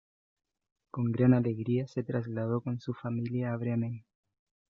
Con gran alegría se trasladó con su familia a Bremen.